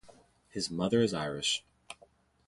His mother is Irish.